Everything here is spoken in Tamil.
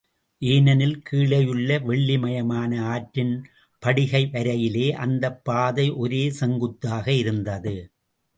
ஏனெனில், கீழேயுள்ள வெள்ளிமயமான ஆற்றின் படுகை வரையிலே அந்தப் பாதை ஒரே செங்குத்தாக இருந்தது.